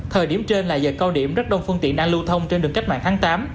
thời điểm trên là giờ cao điểm rất đông phương tiện đang lưu thông trên đường cách mạng tháng tám